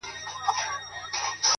افسوس كوتر نه دى چي څوك يې پـټ كړي،